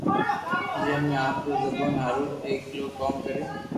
جي امي آپرو زبون ھارو ايلائيڪوم ڪريو